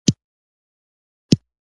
د بانک له لارې پيرودل او پلورل په اسانۍ کیږي.